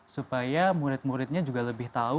supaya murid muridnya juga lebih tahu